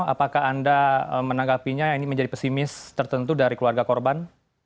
apakah anda menanggapinya ini menjadi pesimis tertentu dari keluarga korban